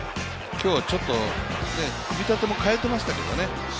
今日はちょっと組み立てを変えてましたけどね。